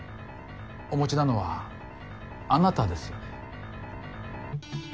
お持ちなのはあなたですよね？